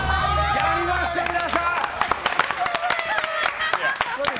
やりました皆さん！